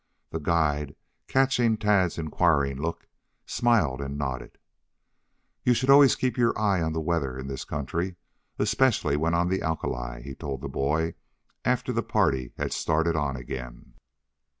The guide, catching Tad's inquiring look, smiled and nodded. "You should always keep your eyes on the weather in this country, especially when on the alkali," he told the boy after the party had started on again.